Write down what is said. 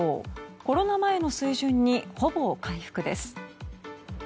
コロナ前の水準にほぼ回復です。